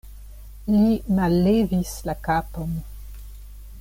Li mallevis la kapon.